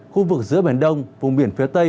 khu vực giữa biển đông vùng biển phía tây